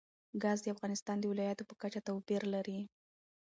ګاز د افغانستان د ولایاتو په کچه توپیر لري.